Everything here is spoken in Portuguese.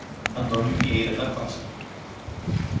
Antônio Vieira da Costa